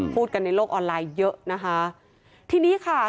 พูดกันในโลกออนไลน์เยอะนะครับ